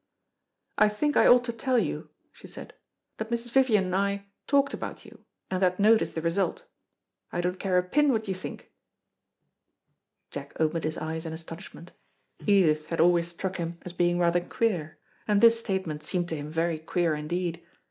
"I think I ought to tell you," she said, "that Mrs. Vivian and I talked about you, and that note is the result. I don't care a pin what you think." Jack opened his eyes in astonishment. Edith had always struck him as being rather queer; and this statement seemed to him very queer indeed.